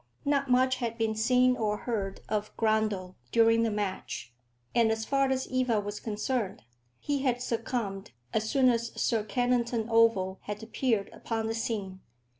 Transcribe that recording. Not much had been seen or heard of Grundle during the match, and as far as Eva was concerned, he had succumbed as soon as Sir Kennington Oval had appeared upon the scene.